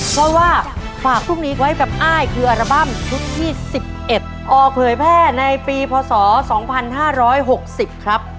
เพราะว่าฝากพรุ่งนี้ไว้กับอ้ายคืออัลบั้มชุดที่๑๑ออกเผยแพร่ในปีพศ๒๕๖๐ครับ